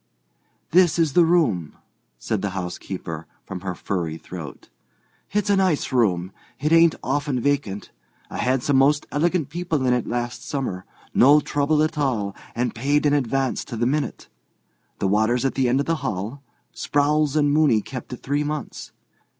"This is the room," said the housekeeper, from her furry throat. "It's a nice room. It ain't often vacant. I had some most elegant people in it last summer—no trouble at all, and paid in advance to the minute. The water's at the end of the hall. Sprowls and Mooney kept it three months.